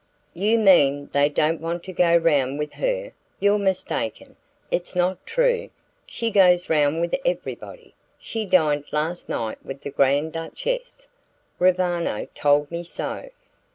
"You mean they don't want to go round with her? You're mistaken: it's not true. She goes round with everybody. She dined last night with the Grand Duchess; Roviano told me so."